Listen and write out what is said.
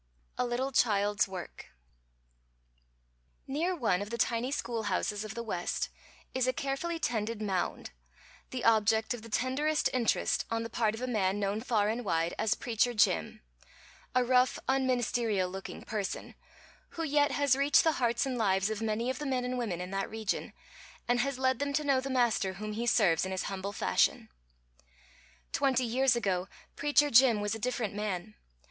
_ A LITTLE CHILD'S WORK Near one of the tiny schoolhouses of the West is a carefully tended mound, the object of the tenderest interest on the part of a man known far and wide as "Preacher Jim," a rough, unministerial looking person, who yet has reached the hearts and lives of many of the men and women in that region, and has led them to know the Master whom he serves in his humble fashion. Twenty years ago Preacher Jim was a different man.